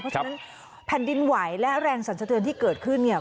เพราะฉะนั้นแผ่นดินไหวและแรงสันสะเทือนที่เกิดขึ้นเนี่ย